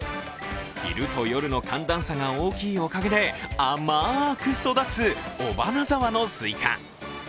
昼と夜の寒暖差が大きいおかげで甘く育つ尾花沢のスイカ。